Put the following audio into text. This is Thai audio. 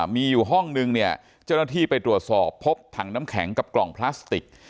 มีอยู่ห้องนึงเนี่ยเจ้าหน้าที่ไปตรวจสอบพบถังน้ำแข็งกับกล่องพลาสติก